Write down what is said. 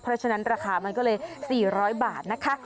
เพราะฉะนั้นราคามันก็เลย๔๐๐บาทนะคะ